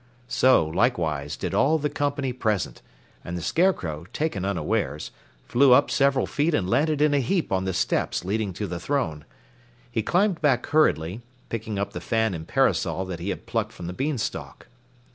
So, likewise, did all the company present, and the Scarecrow, taken unawares, flew up several feet and landed in a heap on the steps leading to the throne. He climbed back hurriedly, picking up the fan and parasol that he had plucked from the beanstalk.